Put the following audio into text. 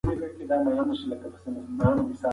ایا د پاني پت جګړه په ژمي کې وه؟